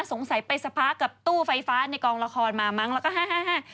สงสัยไปสปาร์คกับตู้ไฟฟ้าในกองละครมามั้งแล้วก็ฮ่าฮ่าฮ่า